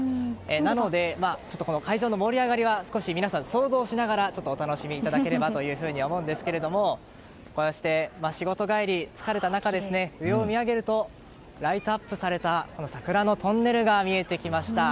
なので会場の盛り上がりは想像しながらお楽しみいただければと思うんですけれどもこうして、仕事帰り疲れた中で上を見上げるとライトアップされた桜のトンネルが見えてきました。